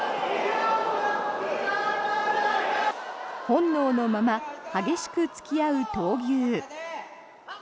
本能のまま激しく突き合う闘牛。